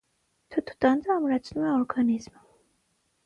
Թթու տանձը ամրացնում է օրգանիզմը։